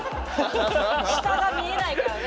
下が見えないからね。